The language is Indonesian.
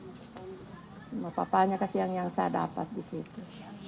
cuma papanya kasihan yang saya dapat di situ